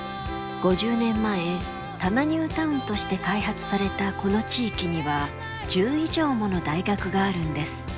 ５０年前多摩ニュータウンとして開発されたこの地域には１０以上もの大学があるんです。